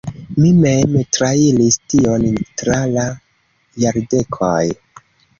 Mi mem trairis tion tra la jardekoj.